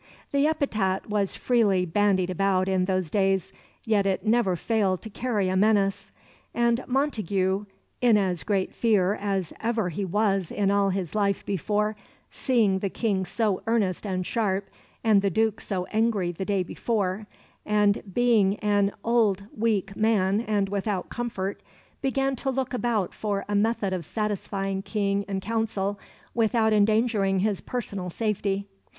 The epithet was freely bandied about in those days, yet it never failed to carry a menace; and Montagu, in as "great fear as ever he was in all his life before, seeing the King so earnest and sharp, and the Duke so angry the day before," and being an "old weak man and without comfort," began to look about for a method of satisfying King and Council without endangering his personal safety.